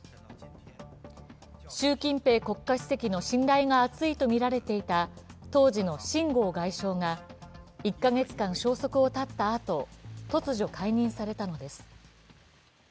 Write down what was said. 習近平国家主席の信頼が厚いとみられていた当時の秦剛外相が１か月間、消息を絶ったあと突如、解任されたのです。